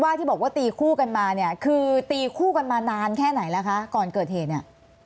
ว่าตีคู่กันมาคือตีคู่กันนานแค่ไหนแหละคะก่อนเกิดเหตุ